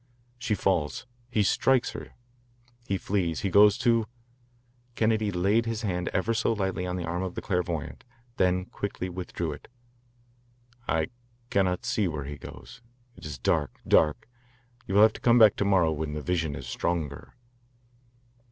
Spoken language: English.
"She falls. He strikes her. He flees. He goes to " Kennedy laid his hand ever so lightly on the arm of the clairvoyant, then quickly withdrew it. "I cannot see where he goes. It is dark, dark. You will have to come back to morrow when the vision is stronger."